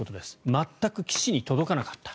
全く岸に届かなかった。